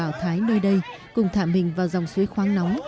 và đồng bào thái nơi đây cùng thả mình vào dòng suối khoáng nóng